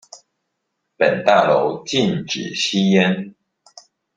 本大樓禁止吸煙